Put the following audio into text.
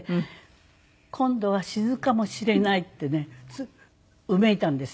「今度は死ぬかもしれない」ってねうめいたんですって。